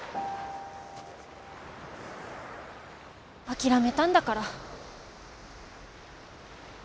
諦めたんだから。